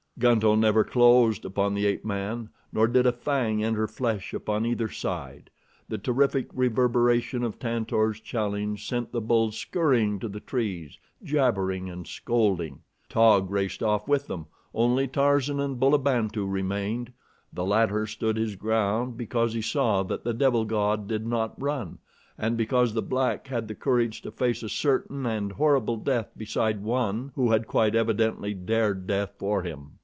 Gunto never closed upon the ape man, nor did a fang enter flesh upon either side. The terrific reverberation of Tantor's challenge sent the bulls scurrying to the trees, jabbering and scolding. Taug raced off with them. Only Tarzan and Bulabantu remained. The latter stood his ground because he saw that the devil god did not run, and because the black had the courage to face a certain and horrible death beside one who had quite evidently dared death for him.